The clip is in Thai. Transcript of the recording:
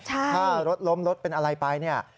ถ้ารถล้มรถเป็นอะไรไป